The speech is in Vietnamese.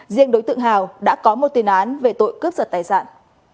riêng đối tượng hào đã có một tiền án về tội cướp giật tài sản